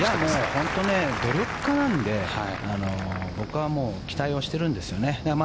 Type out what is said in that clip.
本当に努力家なので僕は期待をしてるんですよね。